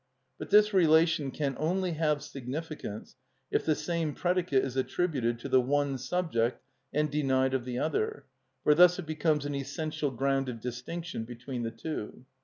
But this relation can only have significance if the same predicate is attributed to the one subject and denied of the other, for thus it becomes an essential ground of distinction between the two.